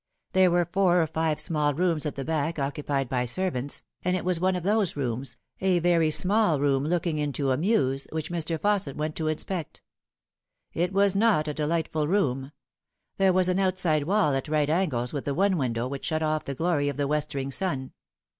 There were four or five small rooms at the back occupied by servants, and it was one of those rooms a very small room looking into a mews which Mr. Fausset went to inspect. It was not a delightful room. There was an outside wall at right angles with the one window which shut off the glory of the westering sun.